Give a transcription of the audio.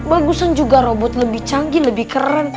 bagusan juga robot lebih canggih lebih keren